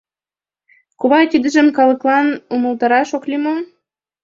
— Кувай, тидыжым калыклан умылтараш ок лий мо?